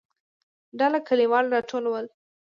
ډله کليوال راټول ول.